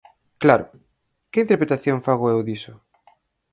Claro, ¿que interpretación fago eu diso?